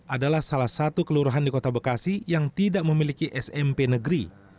adalah salah satu kelurahan di kota bekasi yang tidak memiliki smp negeri